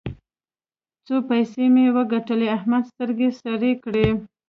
څو پيسې مې وګټلې؛ احمد سترګې سرې کړې.